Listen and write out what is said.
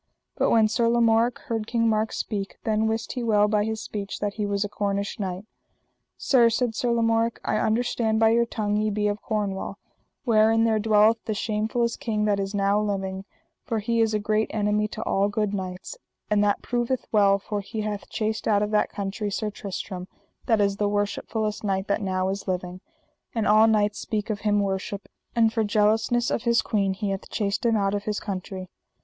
But when Sir Lamorak heard King Mark speak, then wist he well by his speech that he was a Cornish knight. Sir, said Sir Lamorak, I understand by your tongue ye be of Cornwall, wherein there dwelleth the shamefullest king that is now living, for he is a great enemy to all good knights; and that proveth well, for he hath chased out of that country Sir Tristram, that is the worshipfullest knight that now is living, and all knights speak of him worship; and for jealousness of his queen he hath chased him out of his country.